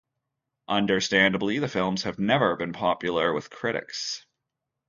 Understandably the films have never been popular with critics.